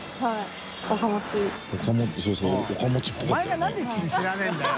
阿何で知らねぇんだよ！